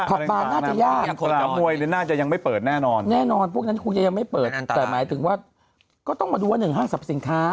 บานน่าจะยากสนามมวยเนี่ยน่าจะยังไม่เปิดแน่นอนแน่นอนพวกนั้นคงจะยังไม่เปิดแต่หมายถึงว่าก็ต้องมาดูว่าหนึ่งห้างสรรพสินค้า